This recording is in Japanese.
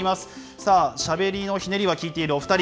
さあ、しゃべりのひねりはきいているお２人。